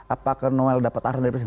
apakah noel dapat arah dari presiden